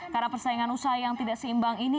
karena persaingan usaha yang tidak seimbang ini